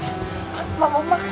makasih banyak pak